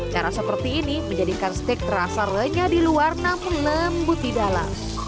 cara seperti ini menjadikan steak terasa renyah di luar namun lembut di dalam